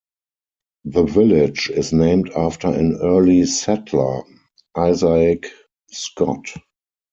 The village is named after an early settler, Isaac Scott.